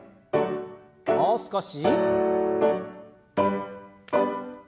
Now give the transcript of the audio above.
もう少し。